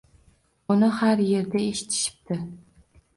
Uni har qayerda eshitishibdi.